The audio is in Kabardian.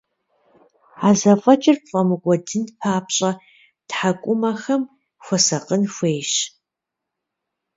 А зэфӀэкӀыр пфӀэмыкӀуэдын папщӀэ, тхьэкӀумэхэм хуэсакъын хуейщ.